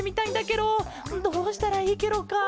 ケロどうしたらいいケロか？